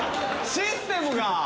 システムが。